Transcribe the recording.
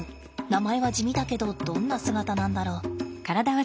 名前は地味だけどどんな姿なんだろう？